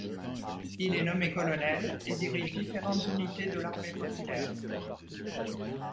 Il est nommé colonel et dirige différentes unités de l'armée populaire.